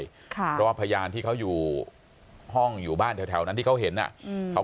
เพราะว่าพยานที่เขาอยู่ห้องอยู่บ้านแถวนั้นที่เขาเห็นอ่ะ